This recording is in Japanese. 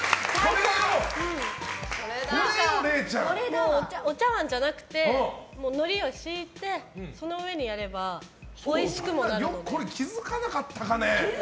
もう、お茶わんじゃなくてのりを敷いて、その上でやればこれ、気づかなかったかね。